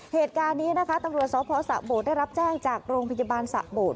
เหตุการณ์นี้นะคะตำรวจสพสะโบดได้รับแจ้งจากโรงพยาบาลสะโบด